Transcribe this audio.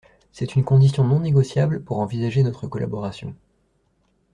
C’est une condition non négociable pour envisager notre collaboration.